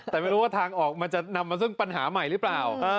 แต่ไม่รู้ว่าทางออกมันจะนำมาซึ่งปัญหาใหม่หรือเปล่า